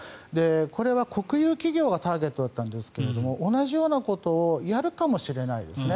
これは国有企業がターゲットだったんですが同じようなことをやるかもしれないですね。